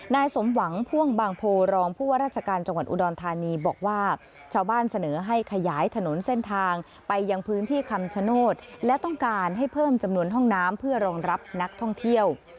นายสมหวังพ่วงบางโพรองผู้ว่าราชการจังหวัดอุดรธานีบอกว่าชาวบ้านเสนอให้ขยายถนนเส้นทางไปยังพื้นที่คำชโนธและต้องการให้เพิ่มจำนวนห้องน้ำเพื่อรองรับนักท่องเที่ยว